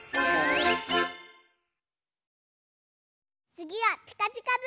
つぎは「ピカピカブ！」。